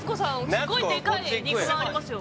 すごいデカい肉まんありますよ